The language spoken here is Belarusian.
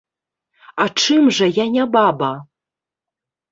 А чым жа я не баба?